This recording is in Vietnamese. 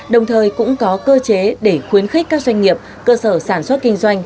đồng thời cũng có cơ chế để khuyến khích các doanh nghiệp cơ sở sản xuất kinh doanh